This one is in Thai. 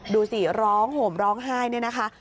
ดูสิร้องห่มร้องไห้เนี่ยนะคะ